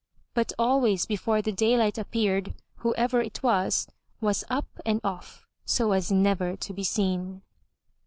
But always before the daylight appeared whoever it was, was up and off, so as never to be seen.